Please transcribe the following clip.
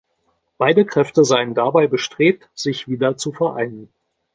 Beide Kräfte seien dabei bestrebt, sich wieder zu vereinen.